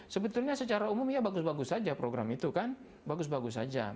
sebetulnya secara umum ya bagus bagus saja program itu kan bagus bagus saja